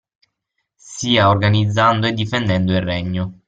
Sia organizzando e difendendo il Regno.